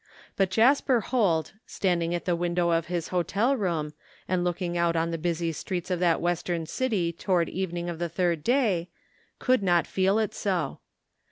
But Jasper Holt, standing at the window of his hotel room and looking out on the busy streets of that Western city toward 9 129 THE FINDING OF JASPER HOLT evening of the third day, could not feel it so.